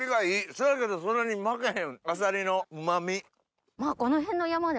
そやけどそんなに負けへんあさりのうま味。